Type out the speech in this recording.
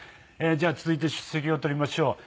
じゃあ続いて出席を取りましょう。